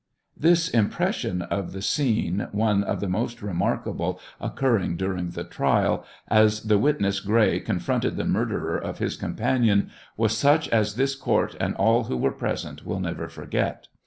This impression of the scene, (one of the most remarkable occurring during the trial,) as the witness Gray confronted the murderer of his companion, was such as this court and all who were present will never forget.